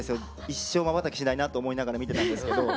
一生まばたきしないなと思いながら見てたんですけど。